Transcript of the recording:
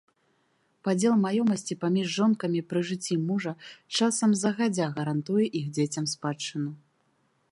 Падзел маёмасці паміж жонкамі пры жыцці мужа часам загадзя гарантуе іх дзецям спадчыну.